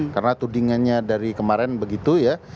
karena tudingannya dari kemarin begitu ya